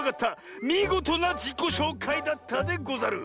みごとなじこしょうかいだったでござる！